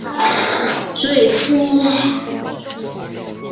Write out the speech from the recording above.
最初主导思想是通过暴力革命实现无产阶级专政的社会主义国家。